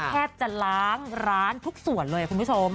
แทบจะล้างร้านทุกส่วนเลยคุณผู้ชม